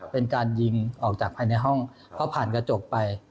เป็นการยิงออกจากภายในห้องเพราะผ่านกระจกไป